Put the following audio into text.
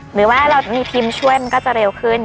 หรือว่าเราจะมีทีมช่วยมันก็จะเร็วขึ้น